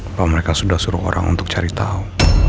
apa mereka sudah suruh orang untuk cari tau